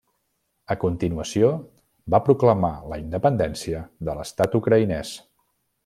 A continuació, va proclamar la independència de l'Estat ucraïnès.